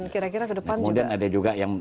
kira kira ke depan kemudian ada juga yang